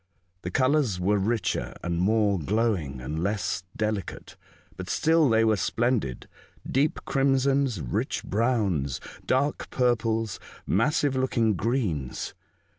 The colours were richer and more glowing, and less delicate. But still they were splendid — deep crimsons, rich browns, dark purples, massive looking greens.